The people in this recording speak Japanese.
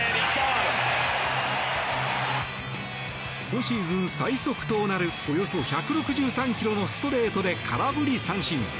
今シーズン最速となるおよそ１６３キロのストレートで空振り三振。